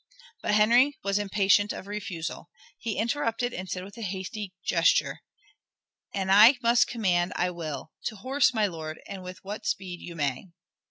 But Henry was impatient of refusal. He interrupted, and said with a hasty gesture, "An I must command I will. To horse, my lord, and with what speed you may."